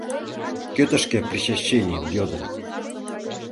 — Кӧ тышке причащенийым йодын?